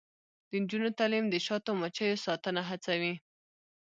د نجونو تعلیم د شاتو مچیو ساتنه هڅوي.